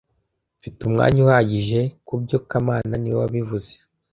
Mfite umwanya uhagije kubyo kamana niwe wabivuze